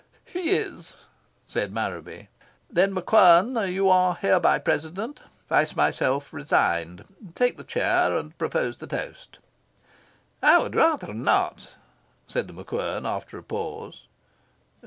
"He is," said Marraby. "Then, MacQuern, you are hereby President, vice myself resigned. Take the chair and propose the toast." "I would rather not," said The MacQuern after a pause.